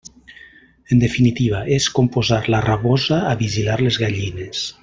En definitiva, és com posar la rabosa a vigilar les gallines.